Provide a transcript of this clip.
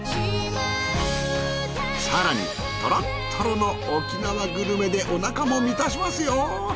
更にトロットロの沖縄グルメでおなかも満たしますよ。